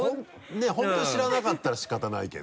本当に知らなかったら仕方ないけど。